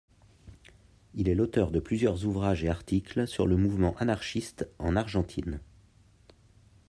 Il est l’auteur de plusieurs ouvrages et articles sur le mouvement anarchiste en Argentine.